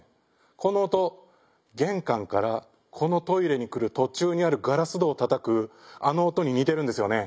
この音玄関からこのトイレに来る途中にあるガラス戸をたたくあの音に似てるんですよね。